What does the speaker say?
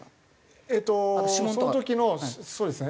えっとその時のそうですね